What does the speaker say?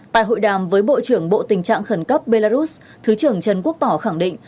tại hội đàm với bộ trưởng bộ tình trạng khẩn cấp belarus thứ trưởng trần quốc tỏ khẳng định